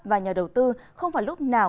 và nhà đầu tư không phải lúc nào